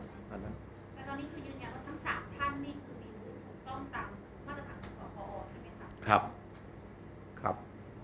ตอนนี้คือยืนอย่างว่าทั้ง๓ท่านต้องตามข้อระทับของพอท่านไหมครับ